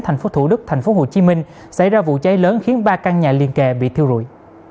thành phố thủ đức thành phố hồ chí minh xảy ra vụ cháy lớn khiến ba căn nhà liên kề bị thiêu rụi